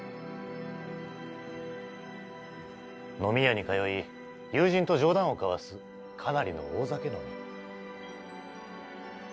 飲み屋に通い友人と冗談を交わすかなりの大酒飲み。